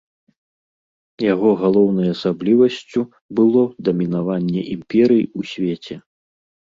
Яго галоўнай асаблівасцю было дамінаванне імперый у свеце.